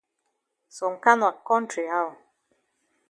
Some kana kontry how?